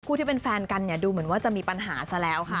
ที่เป็นแฟนกันเนี่ยดูเหมือนว่าจะมีปัญหาซะแล้วค่ะ